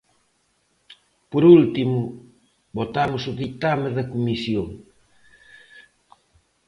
Por último, votamos o ditame da comisión.